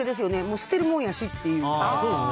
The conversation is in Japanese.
捨てるもんやしって。